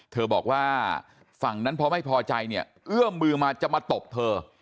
บอกว่าฝั่งนั้นพอไม่พอใจเนี่ยเอื้อมมือมาจะมาตบเธอ